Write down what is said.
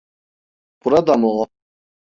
Burada mı o?